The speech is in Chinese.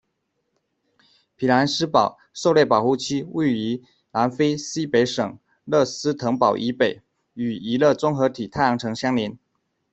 匹兰斯堡狩猎保护区位于南非西北省勒斯滕堡以北，与娱乐综合体太阳城相邻。